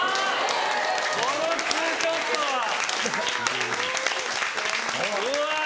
このツーショットは！うわ！